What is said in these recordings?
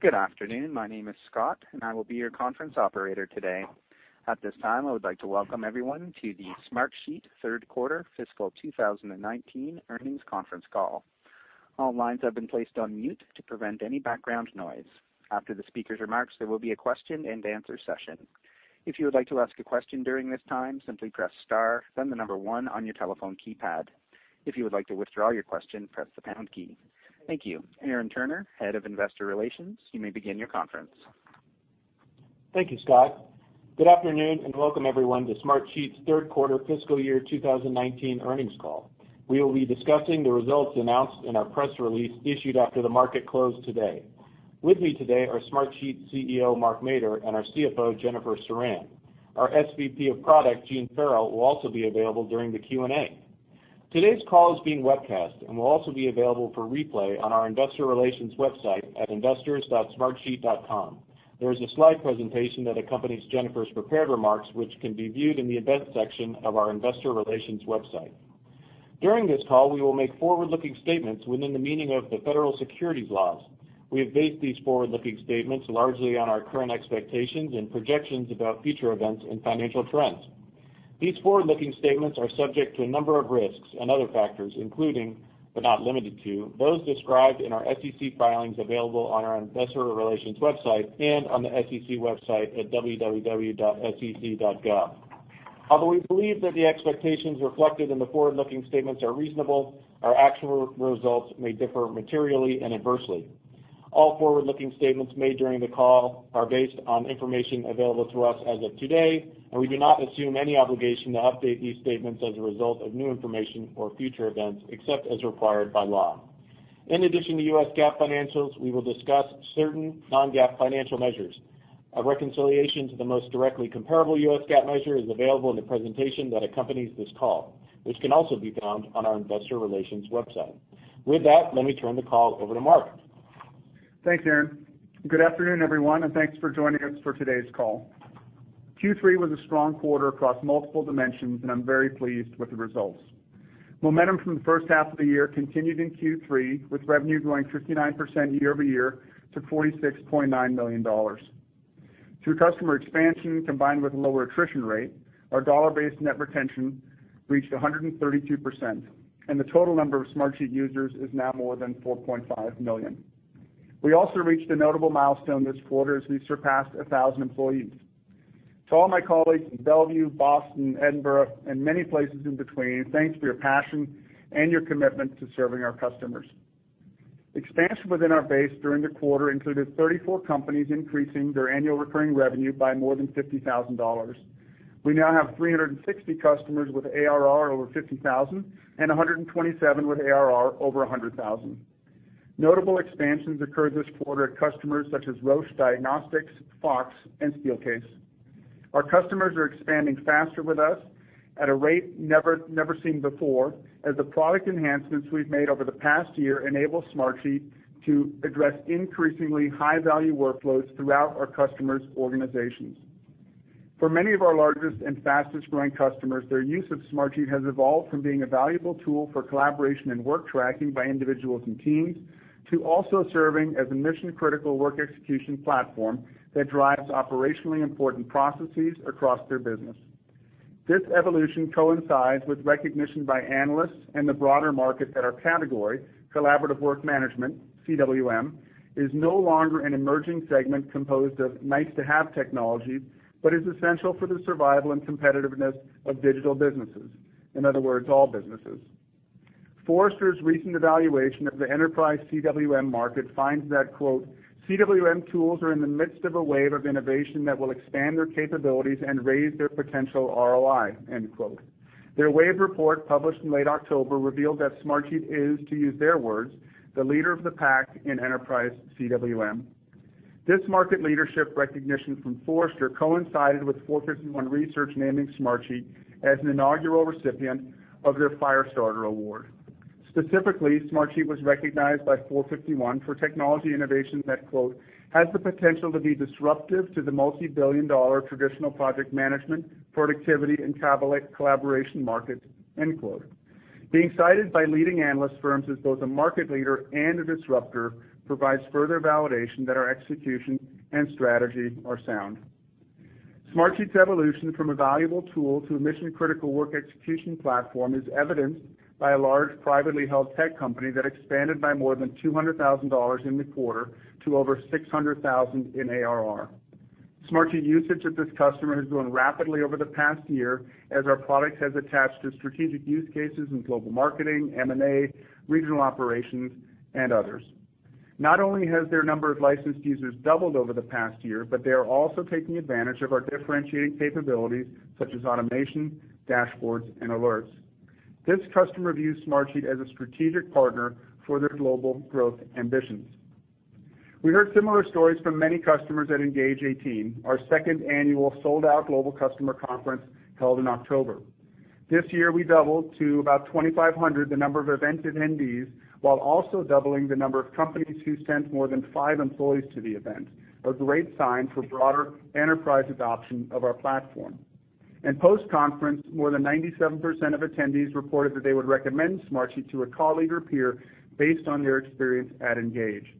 Good afternoon. My name is Scott, and I will be your conference operator today. At this time, I would like to welcome everyone to the Smartsheet third quarter fiscal 2019 earnings conference call. All lines have been placed on mute to prevent any background noise. After the speaker's remarks, there will be a question-and-answer session. If you would like to ask a question during this time, simply press star, then the number one on your telephone keypad. If you would like to withdraw your question, press the pound key. Thank you. Aaron Turner, Head of Investor Relations, you may begin your conference. Thank you, Scott. Good afternoon, and welcome everyone to Smartsheet's third quarter fiscal year 2019 earnings call. We will be discussing the results announced in our press release issued after the market closed today. With me today are Smartsheet CEO, Mark Mader, and our CFO, Jennifer Ceran. Our SVP of Product, Gene Farrell, will also be available during the Q&A. Today's call is being webcast and will also be available for replay on our investor relations website at investors.smartsheet.com. There is a slide presentation that accompanies Jennifer's prepared remarks, which can be viewed in the events section of our investor relations website. These forward-looking statements are subject to a number of risks and other factors, including, but not limited to, those described in our SEC filings available on our investor relations website and on the SEC website at www.sec.gov. Although we believe that the expectations reflected in the forward-looking statements are reasonable, our actual results may differ materially and adversely. All forward-looking statements made during the call are based on information available to us as of today, and we do not assume any obligation to update these statements as a result of new information or future events, except as required by law. In addition to U.S. GAAP financials, we will discuss certain non-GAAP financial measures. A reconciliation to the most directly comparable U.S. GAAP measure is available in the presentation that accompanies this call, which can also be found on our investor relations website. With that, let me turn the call over to Mark. Thanks, Aaron. Good afternoon, everyone, and thanks for joining us for today's call. Q3 was a strong quarter across multiple dimensions, and I'm very pleased with the results. Momentum from the first half of the year continued in Q3, with revenue growing 59% year-over-year to $46.9 million. Through customer expansion combined with lower attrition rate, our dollar-based net retention reached 132%, and the total number of Smartsheet users is now more than 4.5 million. We also reached a notable milestone this quarter as we surpassed 1,000 employees. To all my colleagues in Bellevue, Boston, Edinburgh, and many places in between, thanks for your passion and your commitment to serving our customers. Expansion within our base during the quarter included 34 companies increasing their annual recurring revenue by more than $50,000. We now have 360 customers with ARR over $50,000 and 127 with ARR over $100,000. Notable expansions occurred this quarter at customers such as Roche Diagnostics, Fox, and Steelcase. Our customers are expanding faster with us at a rate never seen before, as the product enhancements we've made over the past year enable Smartsheet to address increasingly high-value workloads throughout our customers' organizations. For many of our largest and fastest-growing customers, their use of Smartsheet has evolved from being a valuable tool for collaboration and work tracking by individuals and teams to also serving as a mission-critical work execution platform that drives operationally important processes across their business. This evolution coincides with recognition by analysts and the broader market that our category, collaborative work management, CWM, is no longer an emerging segment composed of nice-to-have technology, but is essential for the survival and competitiveness of digital businesses. In other words, all businesses. Forrester's recent evaluation of the enterprise CWM market finds that, quote, "CWM tools are in the midst of a wave of innovation that will expand their capabilities and raise their potential ROI," end quote. Their wave report, published in late October, revealed that Smartsheet is, to use their words, "The leader of the pack in enterprise CWM." This market leadership recognition from Forrester coincided with 451 Research naming Smartsheet as an inaugural recipient of their 451 Firestarter Award. Specifically, Smartsheet was recognized by 451 for technology innovation that, quote, "Has the potential to be disruptive to the multi-billion-dollar traditional project management, productivity, and collaboration market," end quote. Being cited by leading analyst firms as both a market leader and a disruptor provides further validation that our execution and strategy are sound. Smartsheet's evolution from a valuable tool to a mission-critical work execution platform is evidenced by a large privately held tech company that expanded by more than $200,000 in the quarter to over $600,000 in ARR. Smartsheet usage at this customer has grown rapidly over the past year as our product has attached to strategic use cases in global marketing, M&A, regional operations, and others. Not only has their number of licensed users doubled over the past year, but they are also taking advantage of our differentiating capabilities, such as automation, dashboards, and alerts. This customer views Smartsheet as a strategic partner for their global growth ambitions. We heard similar stories from many customers at ENGAGE '18, our second annual sold-out global customer conference held in October. This year, we doubled to about 2,500 the number of event attendees, while also doubling the number of companies who sent more than five employees to the event, a great sign for broader enterprise adoption of our platform. Post-conference, more than 97% of attendees reported that they would recommend Smartsheet to a colleague or peer based on their experience at ENGAGE.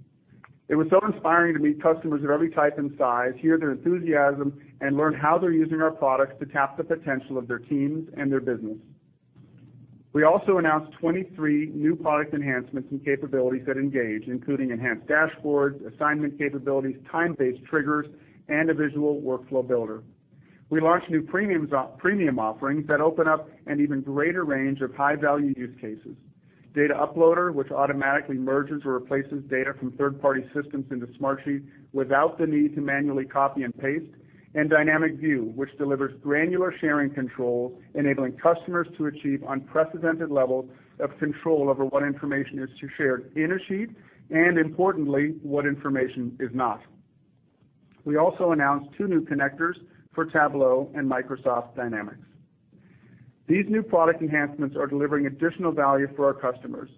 It was so inspiring to meet customers of every type and size, hear their enthusiasm, and learn how they're using our products to tap the potential of their teams and their business. We also announced 23 new product enhancements and capabilities at ENGAGE, including enhanced dashboards, assignment capabilities, time-based triggers, and a visual workflow builder. We launched new premium offerings that open up an even greater range of high-value use cases. Data Shuttle, which automatically merges or replaces data from third-party systems into Smartsheet without the need to manually copy and paste, and Dynamic View, which delivers granular sharing controls, enabling customers to achieve unprecedented levels of control over what information is to be shared in a sheet, and importantly, what information is not. We also announced two new connectors for Tableau and Microsoft Dynamics. These new product enhancements are delivering additional value for our customers.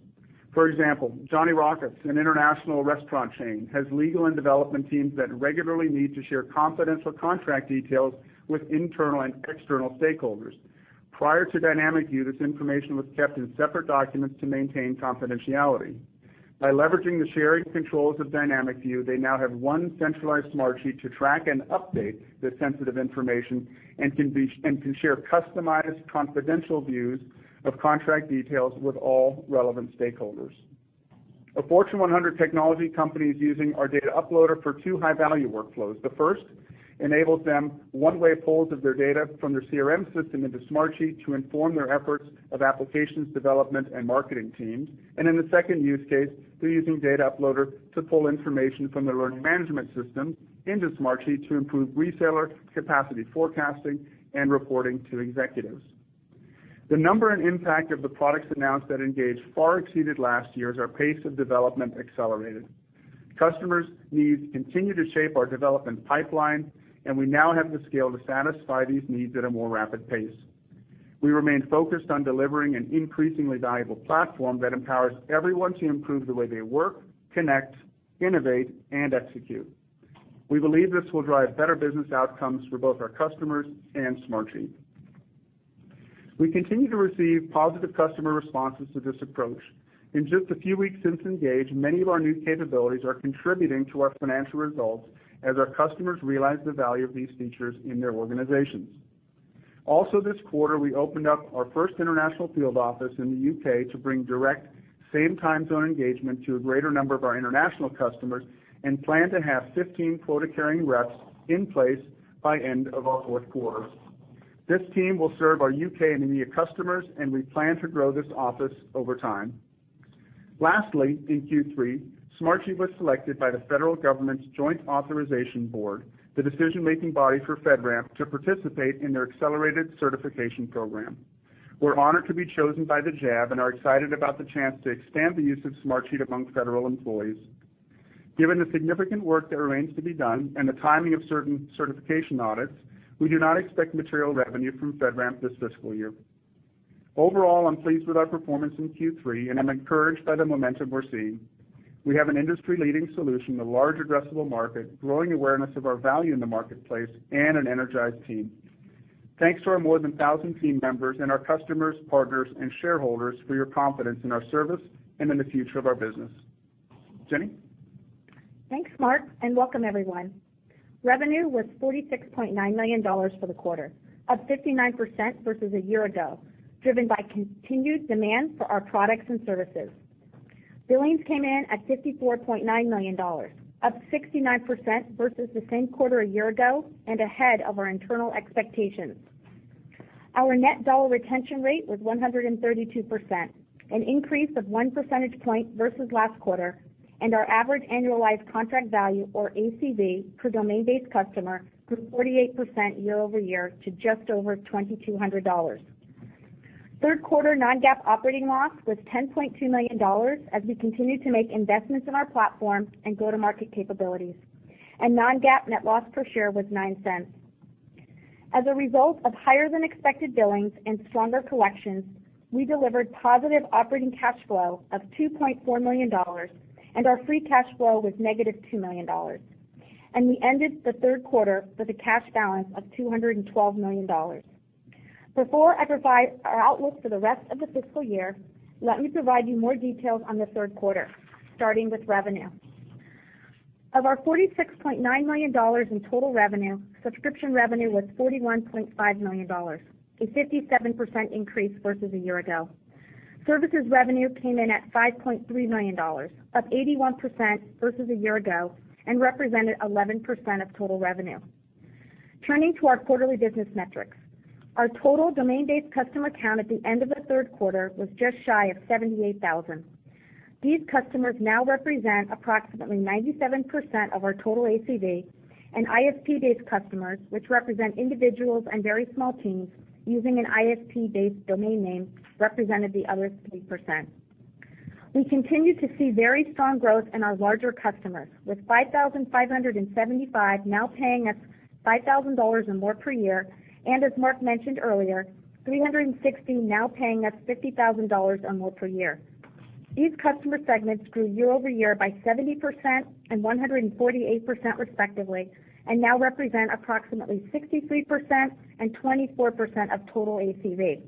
For example, Johnny Rockets, an international restaurant chain, has legal and development teams that regularly need to share confidential contract details with internal and external stakeholders. Prior to Dynamic View, this information was kept in separate documents to maintain confidentiality. By leveraging the sharing controls of Dynamic View, they now have one centralized Smartsheet to track and update this sensitive information and can share customized confidential views of contract details with all relevant stakeholders. A Fortune 100 technology company is using our Data Shuttle for two high-value workflows. The first enables them one-way pulls of their data from their CRM system into Smartsheet to inform their efforts of applications, development, and marketing teams. In the second use case, they're using Data Shuttle to pull information from their learning management system into Smartsheet to improve reseller capacity forecasting and reporting to executives. The number and impact of the products announced at ENGAGE far exceeded last year's, our pace of development accelerated. Customers' needs continue to shape our development pipeline, and we now have the scale to satisfy these needs at a more rapid pace. We remain focused on delivering an increasingly valuable platform that empowers everyone to improve the way they work, connect, innovate, and execute. We believe this will drive better business outcomes for both our customers and Smartsheet. We continue to receive positive customer responses to this approach. In just a few weeks since ENGAGE, many of our new capabilities are contributing to our financial results as our customers realize the value of these features in their organizations. This quarter, we opened up our first international field office in the U.K. to bring direct same time zone engagement to a greater number of our international customers, and plan to have 15 quota-carrying reps in place by the end of our fourth quarter. This team will serve our U.K. and EMEA customers, and we plan to grow this office over time. Lastly, in Q3, Smartsheet was selected by the federal government's Joint Authorization Board, the decision-making body for FedRAMP, to participate in their accelerated certification program. We're honored to be chosen by the JAB and are excited about the chance to expand the use of Smartsheet among federal employees. Given the significant work that remains to be done and the timing of certain certification audits, we do not expect material revenue from FedRAMP this fiscal year. I'm pleased with our performance in Q3, and I'm encouraged by the momentum we're seeing. We have an industry-leading solution, a large addressable market, growing awareness of our value in the marketplace, and an energized team. Thanks to our more than 1,000 team members and our customers, partners, and shareholders for your confidence in our service and in the future of our business. Jenny? Thanks, Mark. Welcome everyone. Revenue was $46.9 million for the quarter, up 59% versus a year ago, driven by continued demand for our products and services. Billings came in at $54.9 million, up 69% versus the same quarter a year ago, and ahead of our internal expectations. Our net dollar retention rate was 132%, an increase of one percentage point versus last quarter, and our average annualized contract value, or ACV, per domain-based customer grew 48% year-over-year to just over $2,200. Third quarter non-GAAP operating loss was $10.2 million as we continue to make investments in our platform and go-to-market capabilities, and non-GAAP net loss per share was $0.09. As a result of higher-than-expected billings and stronger collections, we delivered positive operating cash flow of $2.4 million, and our free cash flow was negative $2 million. We ended the third quarter with a cash balance of $212 million. Before I provide our outlook for the rest of the fiscal year, let me provide you more details on the third quarter, starting with revenue. Of our $46.9 million in total revenue, subscription revenue was $41.5 million, a 57% increase versus a year ago. Services revenue came in at $5.3 million, up 81% versus a year ago and represented 11% of total revenue. Turning to our quarterly business metrics. Our total domain-based customer count at the end of the third quarter was just shy of 78,000. These customers now represent approximately 97% of our total ACV, and ISP-based customers, which represent individuals and very small teams using an ISP-based domain name, represented the other 3%. We continue to see very strong growth in our larger customers, with 5,575 now paying us $5,000 or more per year, and as Mark mentioned earlier, 360 now paying us $50,000 or more per year. These customer segments grew year-over-year by 70% and 148% respectively, and now represent approximately 63% and 24% of total ACV.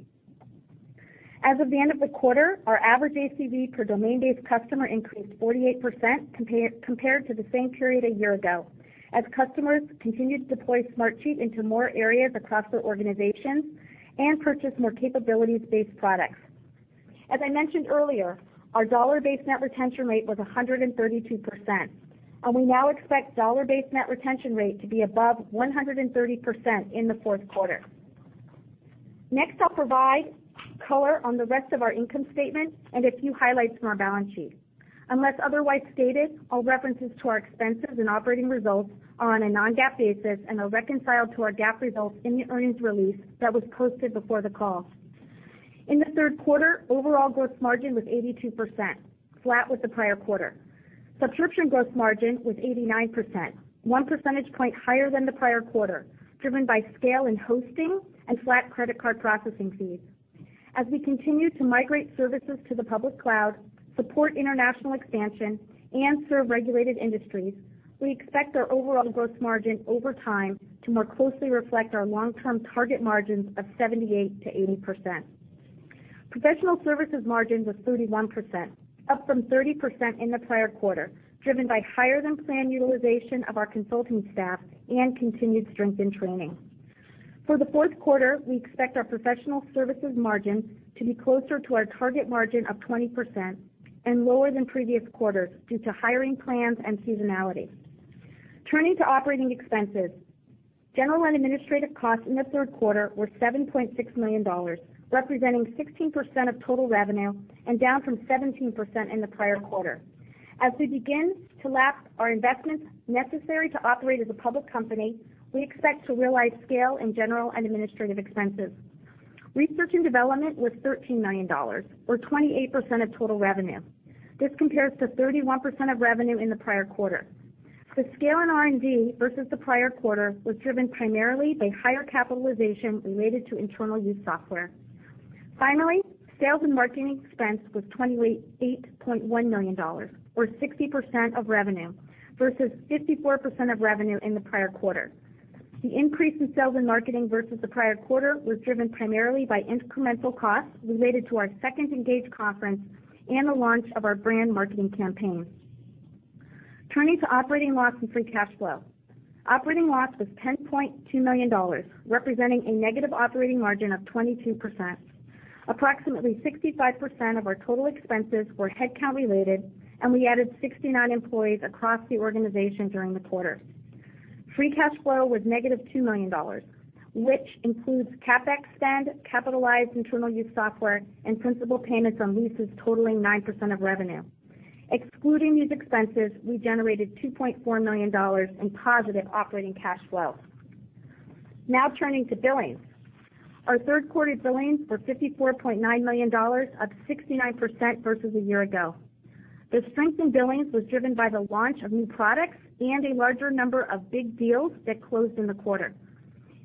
As of the end of the quarter, our average ACV per domain-based customer increased 48% compared to the same period a year ago, as customers continued to deploy Smartsheet into more areas across their organizations and purchase more capabilities-based products. As I mentioned earlier, our dollar-based net retention rate was 132%, and we now expect dollar-based net retention rate to be above 130% in the fourth quarter. I'll provide color on the rest of our income statement and a few highlights from our balance sheet. Unless otherwise stated, all references to our expenses and operating results are on a non-GAAP basis and are reconciled to our GAAP results in the earnings release that was posted before the call. In the third quarter, overall gross margin was 82%, flat with the prior quarter. Subscription gross margin was 89%, one percentage point higher than the prior quarter, driven by scale in hosting and flat credit card processing fees. As we continue to migrate services to the public cloud, support international expansion, and serve regulated industries, we expect our overall gross margin over time to more closely reflect our long-term target margins of 78%-80%. Professional services margins was 31%, up from 30% in the prior quarter, driven by higher-than-planned utilization of our consulting staff and continued strength in training. For the fourth quarter, we expect our professional services margins to be closer to our target margin of 20% and lower than previous quarters due to hiring plans and seasonality. Turning to operating expenses. General and administrative costs in the third quarter were $7.6 million, representing 16% of total revenue and down from 17% in the prior quarter. As we begin to lap our investments necessary to operate as a public company, we expect to realize scale in general and administrative expenses. Research and development was $13 million, or 28% of total revenue. This compares to 31% of revenue in the prior quarter. The scale in R&D versus the prior quarter was driven primarily by higher capitalization related to internal use software. Sales and marketing expense was $28.1 million, or 60% of revenue, versus 54% of revenue in the prior quarter. The increase in sales and marketing versus the prior quarter was driven primarily by incremental costs related to our second ENGAGE conference and the launch of our brand marketing campaign. Turning to operating loss and free cash flow. Operating loss was $10.2 million, representing a negative operating margin of 22%. Approximately 65% of our total expenses were headcount-related, and we added 69 employees across the organization during the quarter. Free cash flow was -$2 million, which includes CapEx spend, capitalized internal use software, and principal payments on leases totaling 9% of revenue. Excluding these expenses, we generated $2.4 million in positive operating cash flow. Turning to billings. Our third quarter billings were $54.9 million, up 69% versus a year ago. The strength in billings was driven by the launch of new products and a larger number of big deals that closed in the quarter.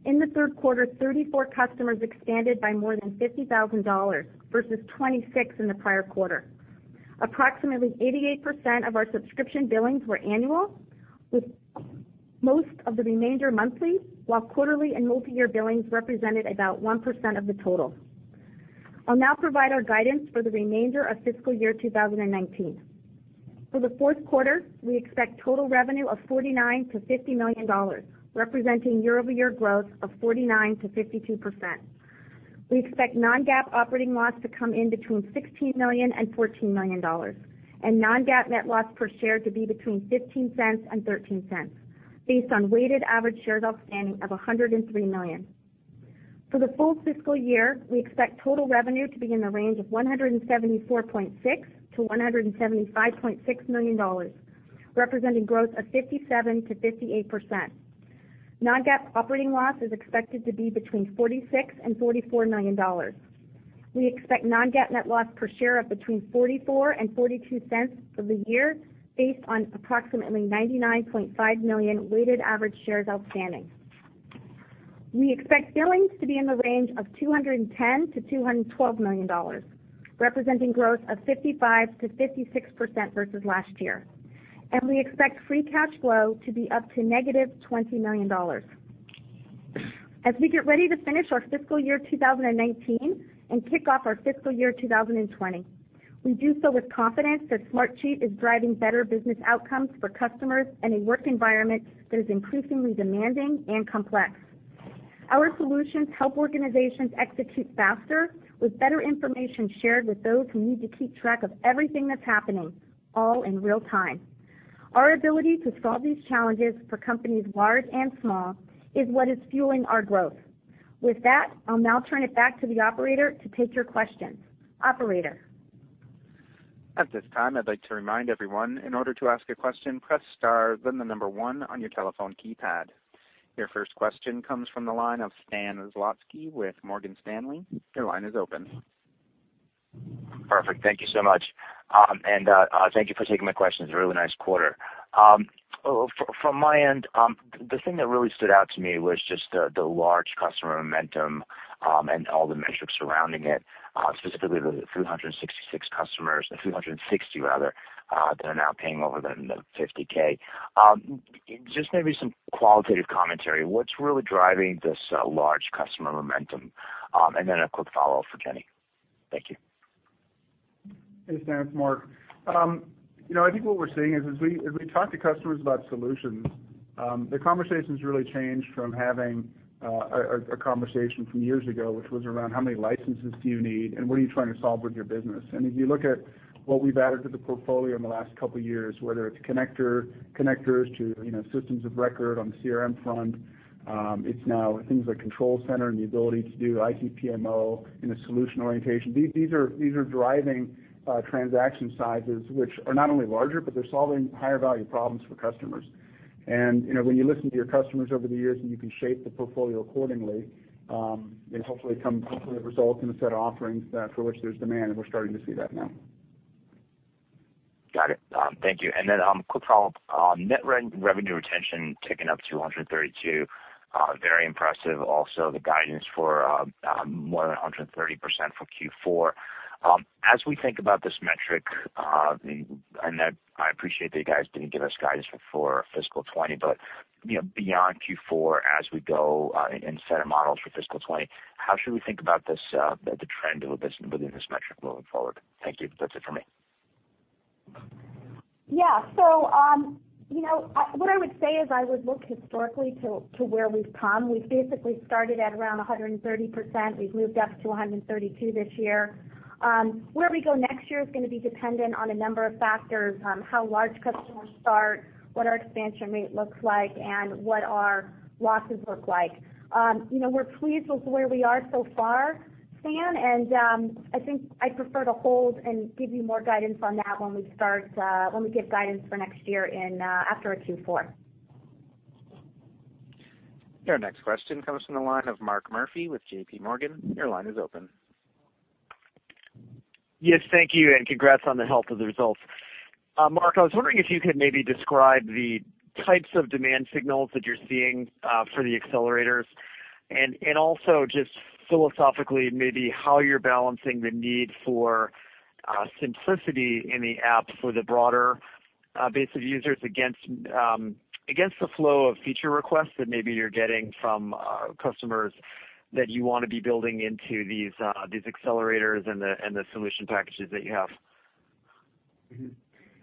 In the third quarter, 34 customers expanded by more than $50,000 versus 26 in the prior quarter. Approximately 88% of our subscription billings were annual, with most of the remainder monthly, while quarterly and multi-year billings represented about 1% of the total. I will now provide our guidance for the remainder of fiscal year 2019. For the fourth quarter, we expect total revenue of $49 million-$50 million, representing year-over-year growth of 49%-52%. We expect non-GAAP operating loss to come in between $16 million and $14 million, and non-GAAP net loss per share to be between $0.15 and $0.13 based on weighted average shares outstanding of 103 million. For the full fiscal year, we expect total revenue to be in the range of $174.6 million-$175.6 million, representing growth of 57%-58%. Non-GAAP operating loss is expected to be between $46 million and $44 million. We expect non-GAAP net loss per share of between $0.44 and $0.42 for the year based on approximately 99.5 million weighted average shares outstanding. We expect billings to be in the range of $210 million-$212 million, representing growth of 55%-56% versus last year. We expect free cash flow to be up to negative $20 million. As we get ready to finish our fiscal year 2019 and kick off our fiscal year 2020, we do so with confidence that Smartsheet is driving better business outcomes for customers in a work environment that is increasingly demanding and complex. Our solutions help organizations execute faster with better information shared with those who need to keep track of everything that is happening, all in real-time. Our ability to solve these challenges for companies large and small is what is fueling our growth. With that, I will now turn it back to the operator to take your questions. Operator? At this time, I would like to remind everyone, in order to ask a question, press star, then the number one on your telephone keypad. Your first question comes from the line of Stan Zlotsky with Morgan Stanley. Your line is open. Perfect. Thank you so much. Thank you for taking my questions. Really nice quarter. From my end, the thing that really stood out to me was just the large customer momentum, and all the metrics surrounding it, specifically the 366 customers, the 360 rather, that are now paying over $50,000. Just maybe some qualitative commentary. What's really driving this large customer momentum? Then a quick follow-up for Jenny. Thank you. Hey, Stan. It's Mark. I think what we're seeing is as we talk to customers about solutions, the conversations really change from having a conversation from years ago, which was around how many licenses do you need, and what are you trying to solve with your business? If you look at what we've added to the portfolio in the last couple of years, whether it's connectors to systems of record on the CRM front, it's now things like Control Center and the ability to do IT PMO in a solution orientation. These are driving transaction sizes, which are not only larger, but they're solving higher-value problems for customers. When you listen to your customers over the years, and you can shape the portfolio accordingly, it hopefully results in a set of offerings for which there's demand, and we're starting to see that now. Got it. Thank you. Then, quick follow-up. Net revenue retention ticking up to 132. Very impressive. Also, the guidance for more than 130% for Q4. As we think about this metric, and I appreciate that you guys didn't give us guidance for fiscal 2020, but, beyond Q4, as we go and set a model for fiscal 2020, how should we think about the trend within this metric moving forward? Thank you. That's it for me. Yeah. What I would say is I would look historically to where we've come. We've basically started at around 130%. We've moved up to 132 this year. Where we go next year is going to be dependent on a number of factors, how large customers start, what our expansion rate looks like, and what our losses look like. We're pleased with where we are so far, Stan. I think I prefer to hold and give you more guidance on that when we give guidance for next year after our Q4. Your next question comes from the line of Mark Murphy with J.P. Morgan. Your line is open. Yes, thank you, and congrats on the health of the results. Mark, I was wondering if you could maybe describe the types of demand signals that you're seeing for the accelerators, and also just philosophically, maybe how you're balancing the need for simplicity in the app for the broader base of users against the flow of feature requests that maybe you're getting from customers that you want to be building into these accelerators and the solution packages that you have.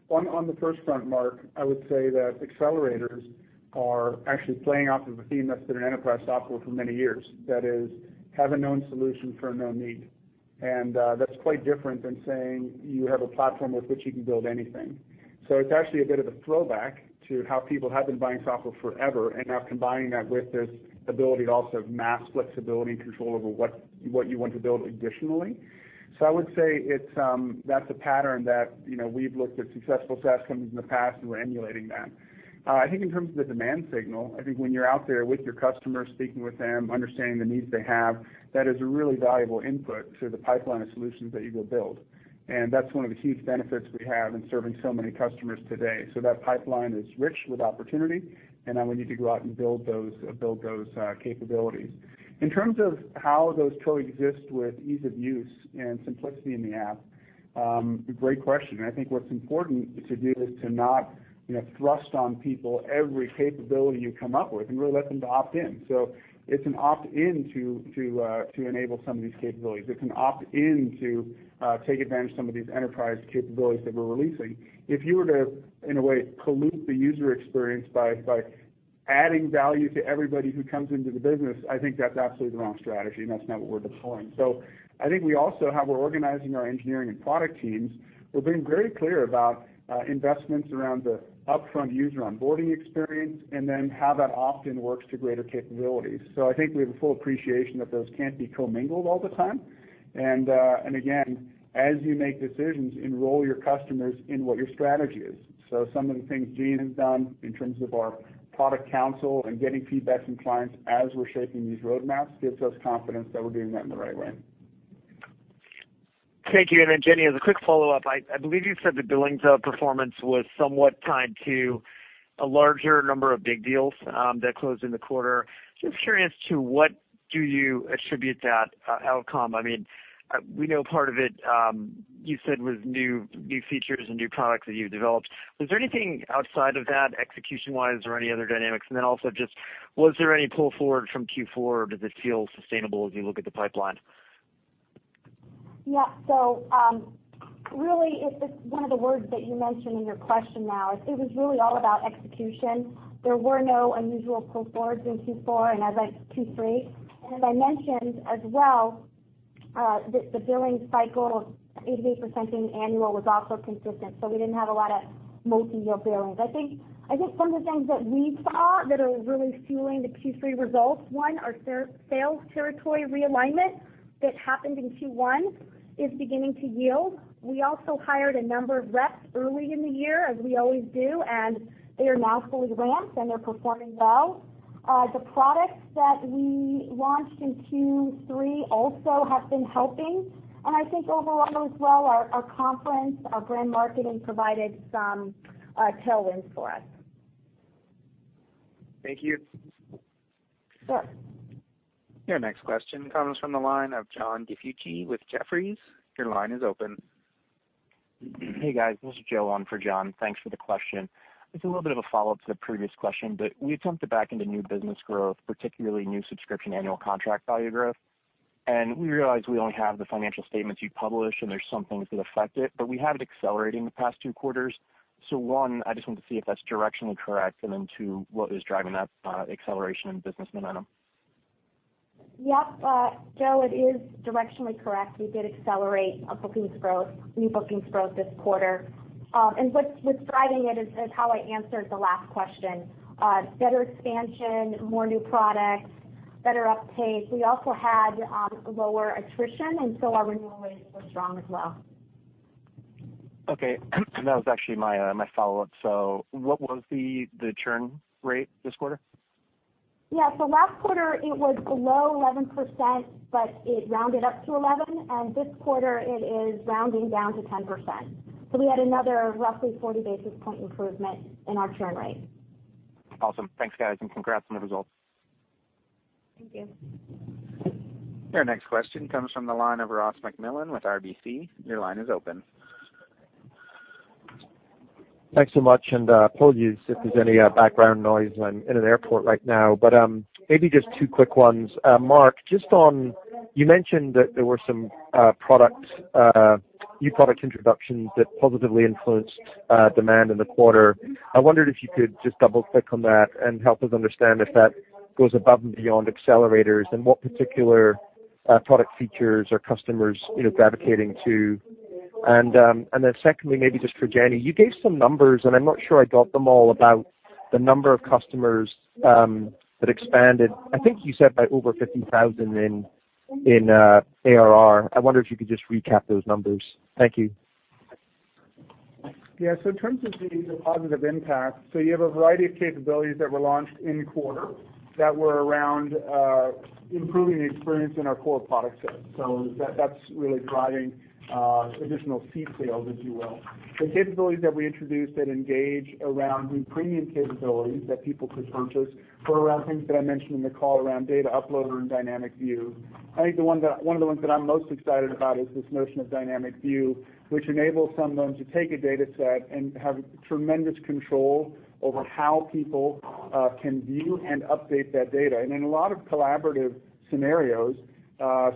On the first front, Mark, I would say that accelerators are actually playing off of a theme that's been in enterprise software for many years. That is, have a known solution for a known need. That's quite different than saying you have a platform with which you can build anything. It's actually a bit of a throwback to how people have been buying software forever, and now combining that with this ability also of mass flexibility and control over what you want to build additionally. I would say that's a pattern that we've looked at successful SaaS companies in the past, and we're emulating that. I think in terms of the demand signal, I think when you're out there with your customers, speaking with them, understanding the needs they have, that is a really valuable input to the pipeline of solutions that you will build. That's one of the huge benefits we have in serving so many customers today. That pipeline is rich with opportunity, and now we need to go out and build those capabilities. In terms of how those coexist with ease of use and simplicity in the app, great question. I think what's important to do is to not thrust on people every capability you come up with, and really let them opt in. It's an opt-in to enable some of these capabilities. It's an opt-in to take advantage of some of these enterprise capabilities that we're releasing. If you were to, in a way, pollute the user experience by adding value to everybody who comes into the business, I think that's absolutely the wrong strategy, and that's not what we're deploying. I think we also, how we're organizing our engineering and product teams, we're being very clear about investments around the upfront user onboarding experience, and then how that opt-in works to greater capabilities. I think we have a full appreciation that those can't be commingled all the time. Again, as you make decisions, enroll your customers in what your strategy is. Some of the things Gene has done in terms of our product council and getting feedback from clients as we're shaping these roadmaps gives us confidence that we're doing that in the right way. Thank you. Jenny, as a quick follow-up, I believe you said the billings performance was somewhat tied to a larger number of big deals that closed in the quarter. Just curious to what do you attribute that outcome? We know part of it, you said, was new features and new products that you've developed. Was there anything outside of that execution-wise or any other dynamics? Also just was there any pull-forward from Q4, or does it feel sustainable as you look at the pipeline? Yeah. Really, it's one of the words that you mentioned in your question now. It was really all about execution. There were no unusual pull-forwards in Q4 and Q3. As I mentioned as well, the billing cycle of 88% annual was also consistent, so we didn't have a lot of multi-year billings. I think some of the things that we saw that are really fueling the Q3 results, one, our sales territory realignment that happened in Q1 is beginning to yield. We also hired a number of reps early in the year, as we always do, and they are now fully ramped, and they're performing well. The products that we launched in Q3 also have been helping. I think overall as well, our conference, our brand marketing provided some tailwinds for us. Thank you. Sure. Your next question comes from the line of John DiFucci with Jefferies. Your line is open. Hey, guys. This is Joe on for John. Thanks for the question. It's a little bit of a follow-up to the previous question, but we attempted back into new business growth, particularly new subscription annual contract value growth. We realize we only have the financial statements you publish, and there's some things that affect it, but we have it accelerating the past two quarters. One, I just wanted to see if that's directionally correct, then two, what is driving that acceleration in business momentum? Yep. Joe, it is directionally correct. We did accelerate our bookings growth, new bookings growth this quarter. What's driving it is how I answered the last question. Better expansion, more new products, better uptake. We also had lower attrition, our renewal rates were strong as well. Okay. That was actually my follow-up. What was the churn rate this quarter? Last quarter it was below 11%, but it rounded up to 11, and this quarter it is rounding down to 10%. We had another roughly 40 basis point improvement in our churn rate. Awesome. Thanks, guys, congrats on the results. Thank you. Your next question comes from the line of Ross MacMillan with RBC. Your line is open. Thanks so much, and apologies if there's any background noise. I'm in an airport right now. Maybe just two quick ones. Mark, you mentioned that there were some new product introductions that positively influenced demand in the quarter. I wondered if you could just double-click on that and help us understand if that goes above and beyond accelerators and what particular product features are customers gravitating to. Secondly, maybe just for Jenny. You gave some numbers, and I'm not sure I got them all, about the number of customers that expanded. I think you said by over $50,000 in ARR. I wonder if you could just recap those numbers. Thank you. Yeah. In terms of the positive impact, you have a variety of capabilities that were launched in quarter that were around improving the experience in our core product set. That's really driving additional seed sales, if you will. The capabilities that we introduced at ENGAGE around new premium capabilities that people could purchase were around things that I mentioned in the call around Data Shuttle and Dynamic View. I think one of the ones that I'm most excited about is this notion of Dynamic View, which enables someone to take a data set and have tremendous control over how people can view and update that data. In a lot of collaborative scenarios,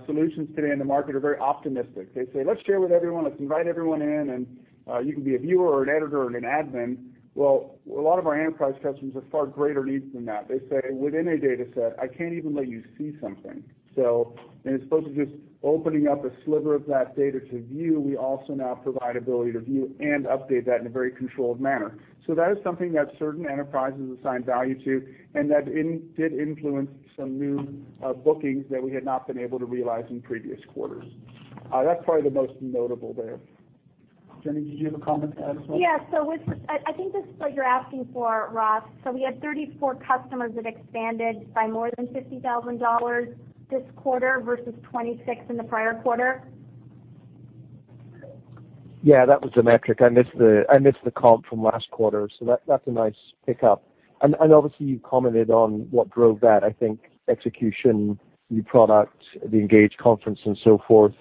solutions today in the market are very optimistic. They say, "Let's share with everyone. Let's invite everyone in, and you can be a viewer or an editor or an admin." Well, a lot of our enterprise customers have far greater needs than that. They say within a data set, "I can't even let you see something." As opposed to just opening up a sliver of that data to view, we also now provide ability to view and update that in a very controlled manner. That is something that certain enterprises assign value to, and that did influence some new bookings that we had not been able to realize in previous quarters. That's probably the most notable there. Jenny, did you have a comment to add as well? Yeah. I think this is what you're asking for, Ross. We had 34 customers that expanded by more than $50,000 this quarter versus 26 in the prior quarter. Yeah, that was the metric. I missed the call from last quarter. That's a nice pickup. Obviously, you commented on what drove that, I think execution, new product, the ENGAGE conference and so forth.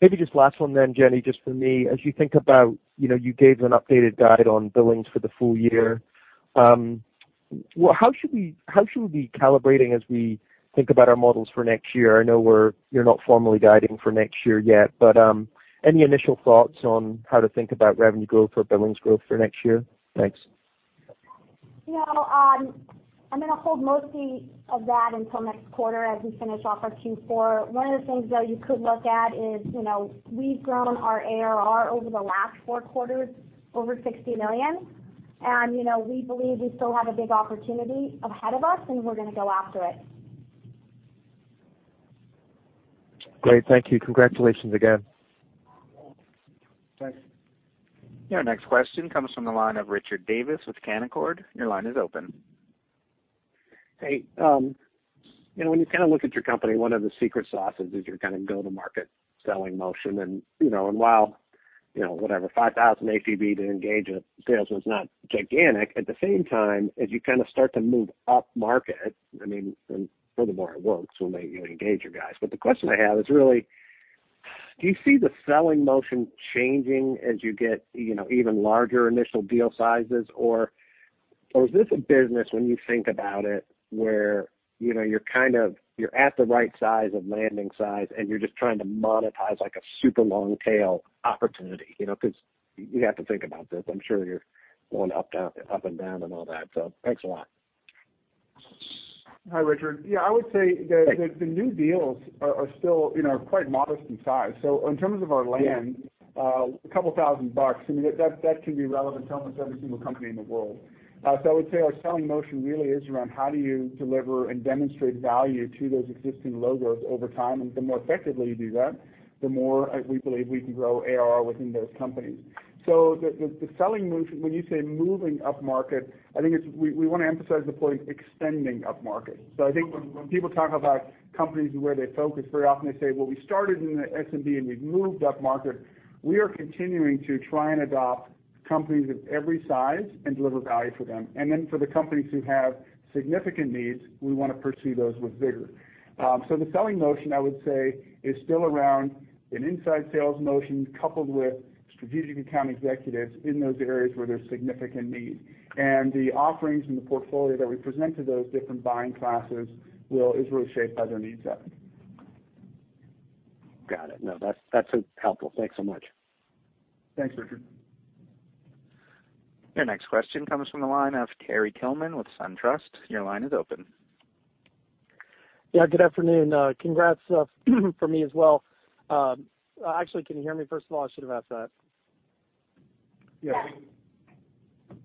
Maybe just last one, Jenny, just for me. As you think about, you gave an updated guide on billings for the full year. How should we be calibrating as we think about our models for next year? I know you're not formally guiding for next year yet. Any initial thoughts on how to think about revenue growth or billings growth for next year? Thanks. I'm going to hold most of that until next quarter as we finish off our Q4. One of the things, though, you could look at is, we've grown our ARR over the last four quarters over $60 million. We believe we still have a big opportunity ahead of us. We're going to go after it. Great. Thank you. Congratulations again. Thanks. Your next question comes from the line of Richard Davis with Canaccord. Your line is open. Hey. When you kind of look at your company, one of the secret sauces is your kind of go-to-market selling motion. While 5,000 APB to ENGAGE sales was not gigantic, at the same time, as you kind of start to move up market, I mean, furthermore, it works when you engage your guys. The question I have is really, do you see the selling motion changing as you get even larger initial deal sizes? Is this a business when you think about it, where you're at the right size of landing size, and you're just trying to monetize like a super long tail opportunity? You have to think about this. I'm sure you're going up and down and all that. Thanks a lot. Hi, Richard. Yeah, I would say the new deals are still quite modest in size. In terms of our land, a couple thousand bucks, I mean, that can be relevant to almost every single company in the world. I would say our selling motion really is around how do you deliver and demonstrate value to those existing logos over time, and the more effectively you do that, the more we believe we can grow ARR within those companies. The selling motion, when you say moving up market, I think we want to emphasize the point extending up market. I think when people talk about companies and where they focus, very often they say, "Well, we started in the SMB and we've moved up market." We are continuing to try and adopt Companies of every size and deliver value for them. For the companies who have significant needs, we want to pursue those with vigor. The selling motion, I would say, is still around an inside sales motion coupled with strategic account executives in those areas where there's significant need. The offerings and the portfolio that we present to those different buying classes is really shaped by their need set. Got it. No, that's helpful. Thanks so much. Thanks, Richard. Your next question comes from the line of Terry Tillman with SunTrust. Your line is open. Yeah, good afternoon. Congrats from me as well. Actually, can you hear me, first of all? I should have asked that. Yes.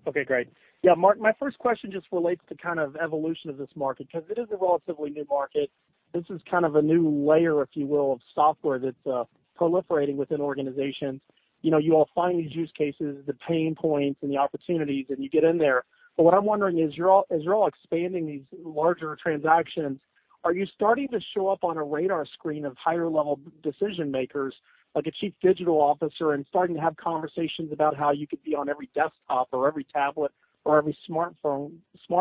Okay, great. Yeah, Mark, my first question just relates to kind of evolution of this market, because it is a relatively new market. This is kind of a new layer, if you will, of software that's proliferating within organizations. You all find these use cases, the pain points, and the opportunities, and you get in there. What I'm wondering is, as you're all expanding these larger transactions, are you starting to show up on a radar screen of higher-level decision-makers, like a chief digital officer, and starting to have conversations about how you could be on every desktop or every tablet or every smartphone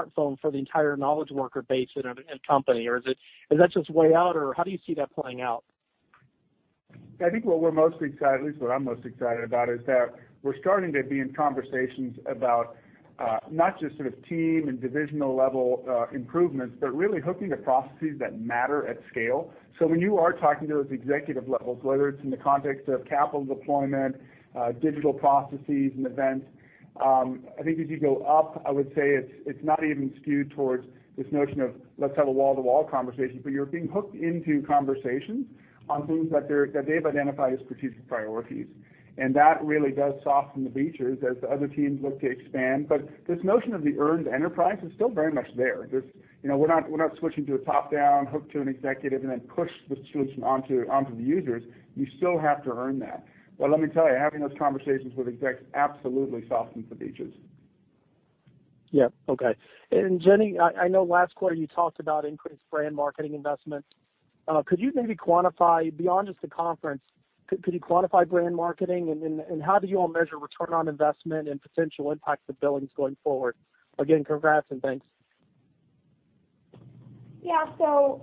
for the entire knowledge worker base in a company? Is that just way out, or how do you see that playing out? I think what we're most excited, at least what I'm most excited about, is that we're starting to be in conversations about, not just sort of team and divisional-level improvements, but really hooking to processes that matter at scale. When you are talking to those executive levels, whether it's in the context of capital deployment, digital processes and events, I think as you go up, I would say it's not even skewed towards this notion of let's have a wall-to-wall conversation, but you're being hooked into conversations on things that they've identified as strategic priorities. That really does soften the features as the other teams look to expand. This notion of the earned enterprise is still very much there. We're not switching to a top-down, hooked to an executive, push the solution onto the users. You still have to earn that. Let me tell you, having those conversations with execs absolutely softens the features. Yep. Okay. Jenny, I know last quarter you talked about increased brand marketing investments. Could you maybe quantify beyond just the conference? Could you quantify brand marketing, and how do you all measure return on investment and potential impacts to billings going forward? Again, congrats, and thanks. Yeah.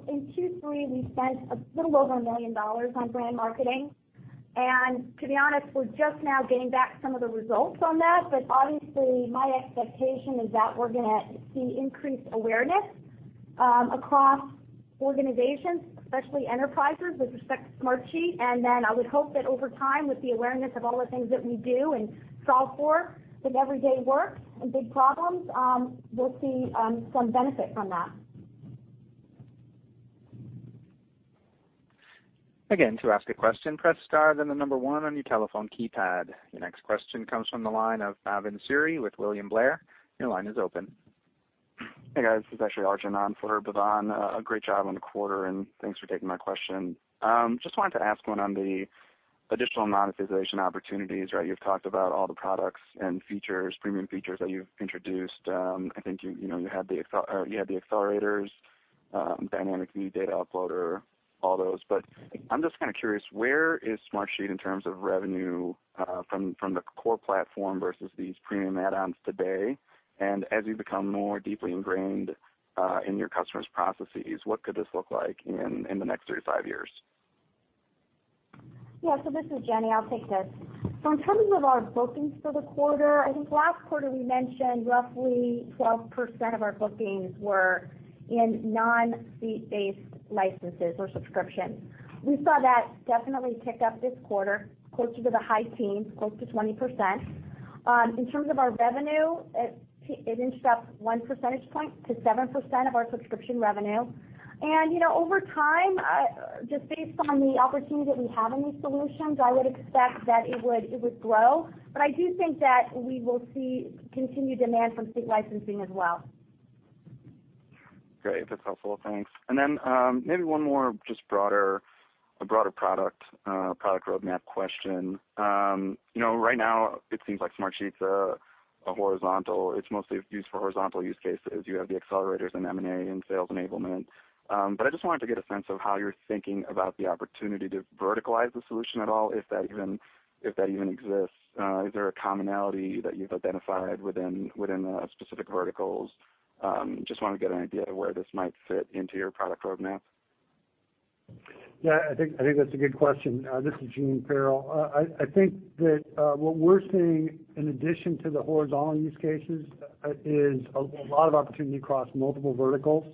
In Q3, we spent a little over $1 million on brand marketing. To be honest, we're just now getting back some of the results on that. Obviously, my expectation is that we're going to see increased awareness across organizations, especially enterprises with respect to Smartsheet. I would hope that over time, with the awareness of all the things that we do and solve for with everyday work and big problems, we'll see some benefit from that. Again, to ask a question, press star, then the number one on your telephone keypad. Your next question comes from the line of Bhavin Siri with William Blair. Your line is open. Hey, guys. This is actually Arjun. I'm for Bhavin. Great job on the quarter. Thanks for taking my question. Wanted to ask one on the additional monetization opportunities. You've talked about all the products and premium features that you've introduced. You had the accelerators, Dynamic View, Data Shuttle, all those. I'm curious, where is Smartsheet in terms of revenue from the core platform versus these premium add-ons today? As you become more deeply ingrained in your customers' processes, what could this look like in the next three to five years? This is Jenny. I'll take this. In terms of our bookings for the quarter, last quarter we mentioned roughly 12% of our bookings were in non-seat-based licenses or subscription. We saw that definitely tick up this quarter, closer to the high teens, close to 20%. In terms of our revenue, it inched up one percentage point to 7% of our subscription revenue. Over time, based on the opportunity that we have in these solutions, I would expect that it would grow. I do think that we will see continued demand from seat licensing as well. Great. That's helpful. Thanks. Maybe one more, a broader product roadmap question. Right now, it seems like Smartsheet's a horizontal. It's mostly used for horizontal use cases. You have the accelerators in M&A and sales enablement. I wanted to get a sense of how you're thinking about the opportunity to verticalize the solution at all, if that even exists. Is there a commonality that you've identified within the specific verticals? I want to get an idea of where this might fit into your product roadmap. Yeah, I think that's a good question. This is Gene Farrell. I think that what we're seeing in addition to the horizontal use cases is a lot of opportunity across multiple verticals.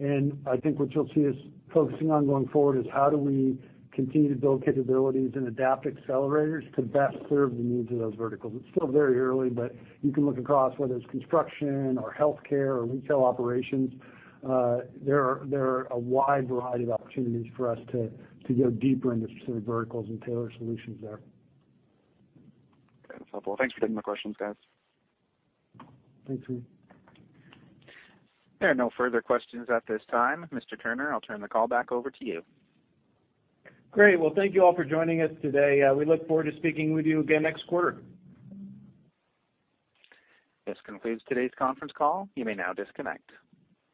I think what you'll see us focusing on going forward is how do we continue to build capabilities and adapt accelerators to best serve the needs of those verticals. It's still very early, you can look across, whether it's construction or healthcare or retail operations. There are a wide variety of opportunities for us to go deeper into certain verticals and tailor solutions there. Okay. That's helpful. Thanks for taking my questions, guys. Thanks, Arjun. There are no further questions at this time. Mr. Turner, I'll turn the call back over to you. Great. Well, thank you all for joining us today. We look forward to speaking with you again next quarter. This concludes today's conference call. You may now disconnect.